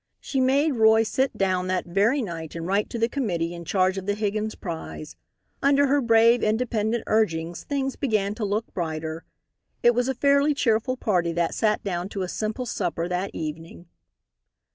She made Roy sit down that very night and write to the committee in charge of the Higgins' prize. Under her brave, independent urgings things began to look brighter. It was a fairly cheerful party that sat down to a simple supper that evening.